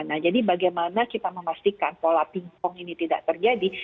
nah jadi bagaimana kita memastikan pola pingpong ini tidak terjadi